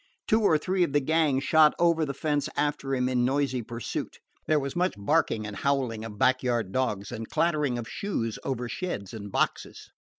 Two or three of the gang shot over the fence after him in noisy pursuit. There was much barking and howling of back yard dogs and clattering of shoes over sheds and boxes.